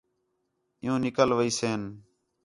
عِیُّوں نِکل ویسیں